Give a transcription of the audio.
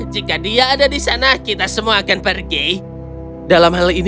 jika kalian tidak memiliki keberanian untuk menarik babi hutan kita akan menangkapnya